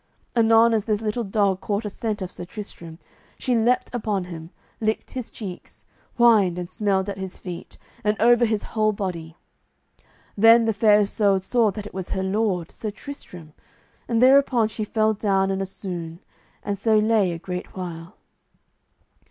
Anon as this little dog caught a scent of Sir Tristram, she leaped upon him, licked his cheeks, whined and smelled at his feet and over his whole body. Then the Fair Isoud saw that it was her lord, Sir Tristram, and thereupon she fell down in a swoon, and so lay a great while.